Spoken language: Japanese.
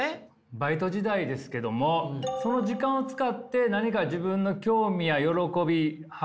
バイト時代ですけどもその時間を使って何か自分の興味や喜び発見しましたか？